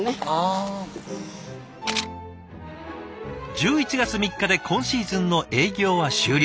１１月３日で今シーズンの営業は終了。